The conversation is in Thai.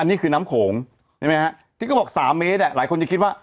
อันนี้คือน้ำโขงเห็นไหมฮะที่ก็บอกสามเมตรแหละหลายคนจะคิดว่าอ๋อ